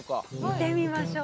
見てみましょう。